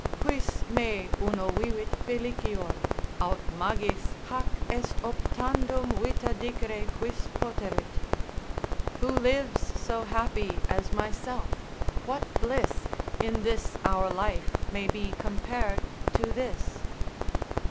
Quis me uno vivit felicior? aut magis hac est Optandum vita dicere quis poterit? Who lives so happy as myself? what bliss In this our life may be compar'd to this?